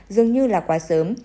dường như là quá sớm